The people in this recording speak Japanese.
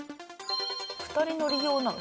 ２人乗り用なの？